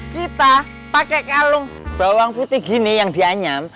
kita pakai kalung bawang putih gini yang dianyam